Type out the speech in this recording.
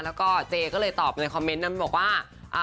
แล้วก็เจก็เลยตอบในคอมเมนต์นั้นบอกว่า